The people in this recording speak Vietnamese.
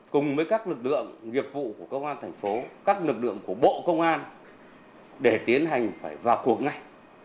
cùng với các lực lượng nghiệp vụ của công an tp các lực lượng của bộ công an để tiến hành phải vào cuộc này